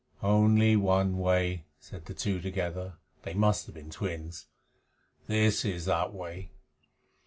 "Only one way," said the two together. (They must have been twins.) "This is that way.